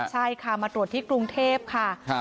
ใช่ค่ะมาตรวจที่กรุงเทพค่ะ